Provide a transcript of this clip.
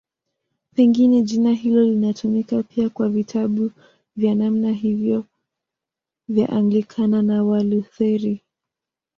Pengine jina hilo linatumika pia kwa vitabu vya namna hiyo vya Anglikana na Walutheri.